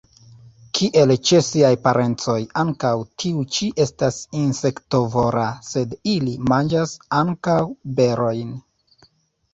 Kiel ĉe siaj parencoj, ankaŭ tiu ĉi estas insektovora, sed ili manĝas ankaŭ berojn.